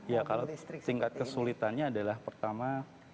ya kalau tingkat kesulitannya adalah pertama